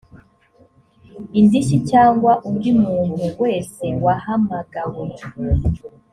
indishyi cyangwa undi muntu wese wahamagawe